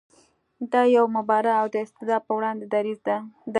دی یو مبارز و د استبداد په وړاندې دریځ لاره.